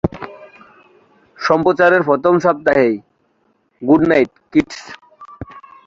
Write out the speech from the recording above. সম্প্রচারের প্রথম সপ্তাহেই "good night, kids!"